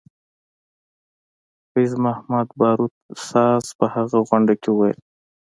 فیض محمدباروت ساز په هغه غونډه کې وویل.